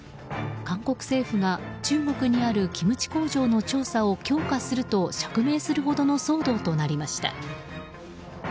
韓国政府が中国にあるキムチ工場の調査を強化すると釈明するほどの騒動となりました。